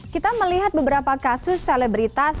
kita melihat beberapa kasus selebritas